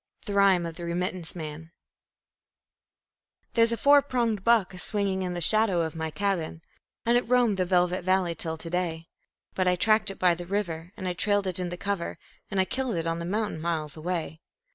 The Rhyme of the Remittance Man There's a four pronged buck a swinging in the shadow of my cabin, And it roamed the velvet valley till to day; But I tracked it by the river, and I trailed it in the cover, And I killed it on the mountain miles away.